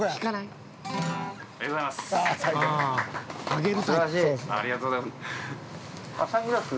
ありがとうございます。